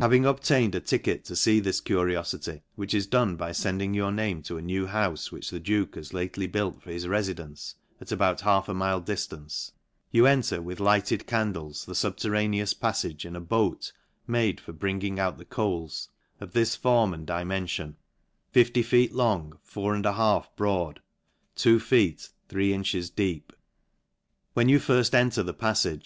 Having obtained a ticket to fee this curioflty, which is done by fending your name to a new houfe, which the duke has lately built for his reiidence, at about half a mile diftance, you enter with lighted candles the fubterraneous paflage in a boat, made for bringing out the coals, of this form and di~ menfion ; Fifty feet long, four and a half broad, < Two feet three inches deep. When you nrft enter the paflage